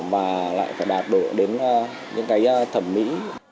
và lại phải đạt độ đến những thẩm mỹ